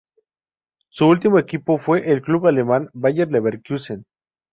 Su último equipo fue el club alemán Bayer Leverkusen.